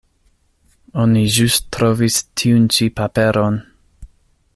Oni ĵus trovis tiun ĉi paperon.